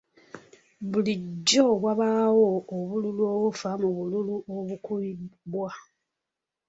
Bulijjo wabaawo obululu obufa mu bululu obukubibwa.